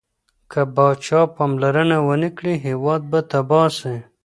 که پاچا پاملرنه ونه کړي، هیواد به تباه سي.